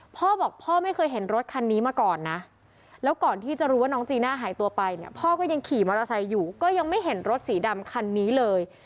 พ่อบอกพ่อไม่เคยเห็นรถคันนี้มาก่อนนะแล้วก่อนที่จะรู้ว่าน้องจีน่าหายตัวไปเนี่ยพ่อก็ยังขี่มอเตอร์ไซค์อยู่ก็ยังไม่เห็นรถสีดำคันนี้เลย